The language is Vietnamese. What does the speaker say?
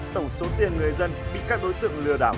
tổng số tiền người dân bị các đối tượng lừa đảo